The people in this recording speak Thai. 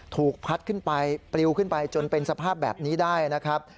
ถูกพัดขึ้นไปปลิวขึ้นไปจนเป็นสภาพแบบนี้ได้นะครับ